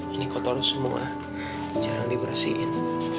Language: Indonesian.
ini kotor semua jarang dibersihin